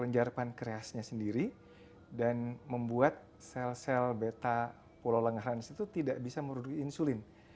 jadi sel sel ini membuat sel sel beta pola langarans itu tidak bisa memproduksi insulin